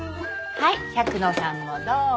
はい百野さんもどうぞ。